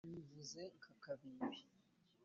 amwivuze nka kabibi.